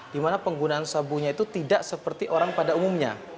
di mana penggunaan sabunya itu tidak seperti orang pada umumnya